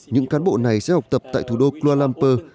những cán bộ này sẽ học tập tại thủ đô kuala lumpur